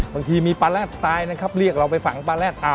บางทีมีปลาแรดตายนะครับเรียกเราไปฝังปลาแรด